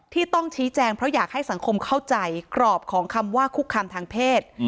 ที่ต้องชี้แจงเพราะอยากให้สังคมเข้าใจกรอบของคำว่าคุกคามทางเพศ